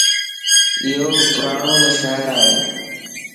ايو پراڙون شاعر ائي